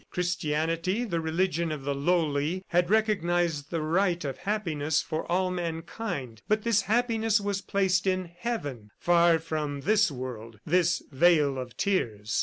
Christianity, the religion of the lowly, had recognized the right of happiness for all mankind, but this happiness was placed in heaven, far from this world, this "vale of tears."